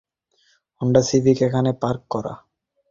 ছোট্ট একটা Honda Civic সেখানে পার্ক করা।